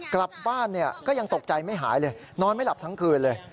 กลับบ้านก็ยังตกใจไม่หายเลยนอนไม่หลับทั้งคืนเลย